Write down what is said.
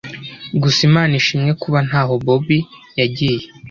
gusa imana ishimwe kuba ntaho bobi yagiye